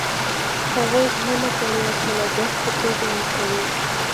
هغوی ژمنه کړې وه چې لګښت په توګه ورکوي.